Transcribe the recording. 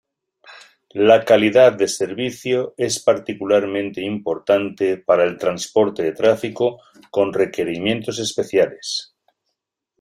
Calidad de servicio es particularmente importante para el transporte de tráfico con requerimientos especiales.